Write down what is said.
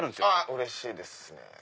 うれしいですね！